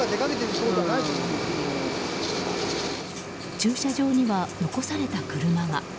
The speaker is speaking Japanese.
駐車場には残された車が。